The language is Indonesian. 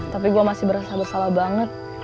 tapi gue masih berasa bersalah banget